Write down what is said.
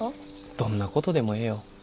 どんなことでもええよ。